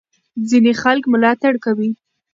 ځینې خلک ملاتړ کوي.